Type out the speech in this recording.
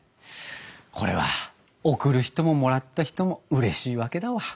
これは贈る人ももらった人もうれしいわけだわ。